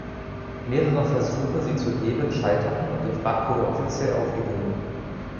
Mehrere Versuche, sie zu heben, scheiterten, und ihr Wrack wurde offiziell aufgegeben.